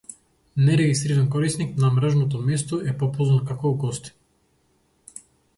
Нерегистриран корисник на мрежното место е попознат како гостин.